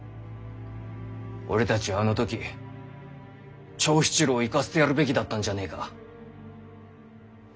俺たちはあの時長七郎を行かせてやるべきだったんじゃねえか。